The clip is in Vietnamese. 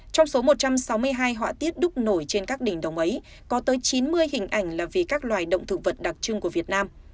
trong số một trăm sáu mươi hai họa tiết đúc nổi trên các đỉnh đồng ấy có tới chín mươi hình ảnh là vì các loài động thực vật đặc trưng của việt nam